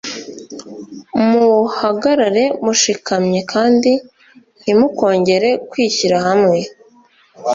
muhagarare mushikamye kandi ntimukongere kwishyira hamwe